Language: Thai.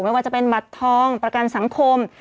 ไม่ว่าจะเป็นบัตรทองประกันสังคม